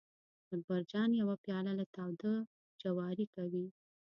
اکبر جان یو پیاله له تاوده جواري کوي.